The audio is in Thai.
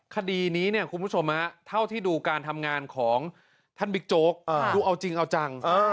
คดีนี้เนี่ยคุณผู้ชมเท่าที่ดูการทำงานของท่านบิ๊กโจ๊กดูเอาจริงเอาจัง